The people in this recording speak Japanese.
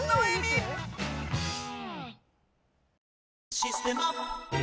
「システマ」